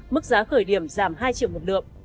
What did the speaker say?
mức giá khởi điểm giảm hai triệu một lượng